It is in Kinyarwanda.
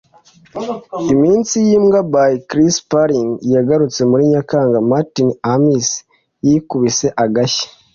Iminsi Yimbwa by Chris Paling Yagarutse muri Nyakanga Martin Amis yikubise agashyi ...